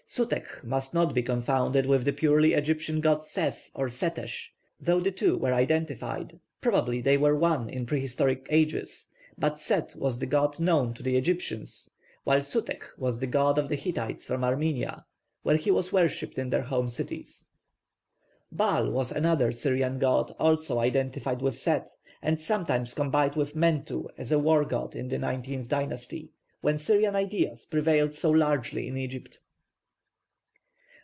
+Sutekh+ must not be confounded with the purely Egyptian god Set or Setesh, though the two were identified. Probably they were one in prehistoric ages; but Set was the god known to the Egyptians, while Sutekh was the god of the Hittites from Armenia, where he was worshipped in their home cities. +Baal+ was another Syrian god also identified with Set, and sometimes combined with Mentu as a war god in the nineteenth dynasty, when Syrian ideas prevailed so largely in Egypt.